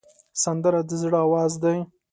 سندره د زړه آواز دی